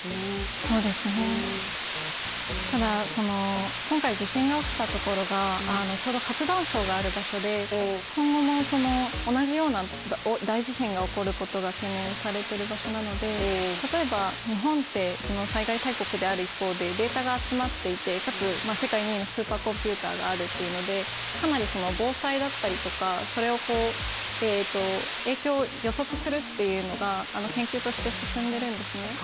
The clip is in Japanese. そうですね、ただ、今回地震が起きたところがちょうど活断層がある場所で、今後も同じような大地震が起こることが懸念されている場所なので例えば日本って災害大国である一方でデータが集まっていてかつ世界２位のスーパーコンピューターがあるということでかなり、防災だったりとかそれを影響を予測するっていうのが研究として進んでるんですね。